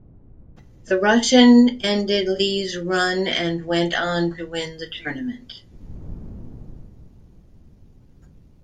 The Russian ended Li's run and went on to win the tournament.